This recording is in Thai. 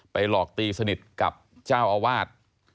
หลอกตีสนิทกับเจ้าอาวาส